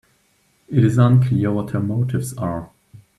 It is unclear what her motives are.